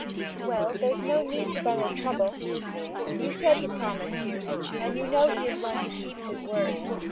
"Well! there is no need to borrow trouble. You said he promised you, and you know he is one who keeps his word."